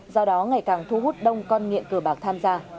do đó ngày càng thu hút đông con nghiện cờ bạc tham gia